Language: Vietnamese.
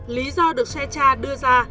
lý do được secha đưa ra